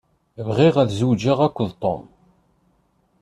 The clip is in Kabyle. Bɣiɣ ad zewjeɣ akked Tom.